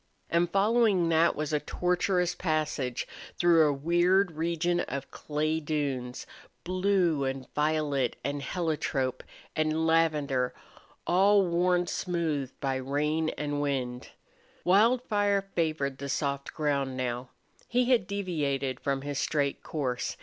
And following that was a tortuous passage through a weird region of clay dunes, blue and violet and heliotrope and lavender, all worn smooth by rain and wind. Wildfire favored the soft ground now. He had deviated from his straight course.